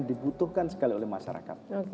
dibutuhkan sekali oleh masyarakat